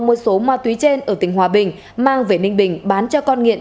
mua số ma túy trên ở tỉnh hòa bình mang về ninh bình bán cho con nghiện